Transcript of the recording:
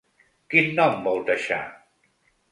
Quin nom vol deixar?